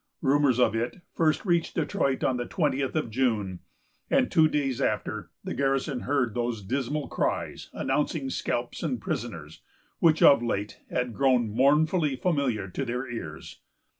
Rumors of it first reached Detroit on the twentieth of June, and, two days after, the garrison heard those dismal cries announcing scalps and prisoners, which, of late, had grown mournfully familiar to their ears.